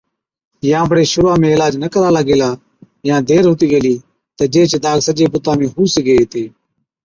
يان بڙي شرُوعا ۾ عِلاج نہ ڪرالا گيلا يان دير هُتِي گيلِي تہ جيهچ داگ سجي بُتا ۾ هُو سِگھي هِتي۔